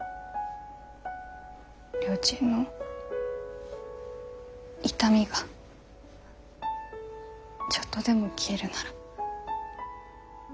りょーちんの痛みがちょっとでも消えるなら。